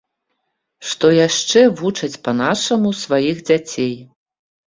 Што яшчэ вучаць па-нашаму сваіх дзяцей.